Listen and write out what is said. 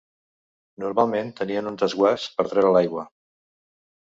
Normalment tenien un desguàs per treure l'aigua.